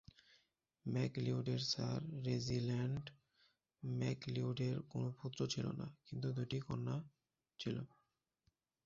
ম্যাকলিওডের sir Reginald ম্যাকলিওডের কোন পুত্র ছিল না, কিন্তু দুই কন্যা ছিল।